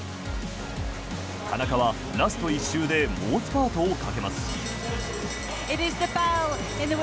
田中はラスト１周で猛スパートをかけます。